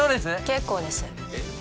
結構ですえ